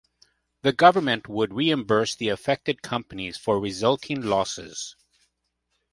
The government would reimburse the affected companies for resulting losses.